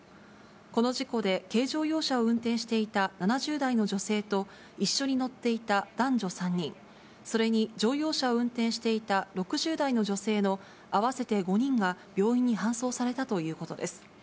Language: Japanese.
この事故で軽乗用車を運転していた７０代の女性と一緒に乗っていた男女３人、それに乗用車を運転していた６０代の女性の合わせて５人が病院に搬送されたということです。